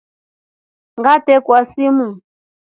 Ngatrekwa simu.